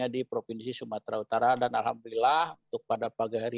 kemudian memanjat kembali denganmosial jadi mahasiswa pengacara lorikolo aire jatuh berj complexity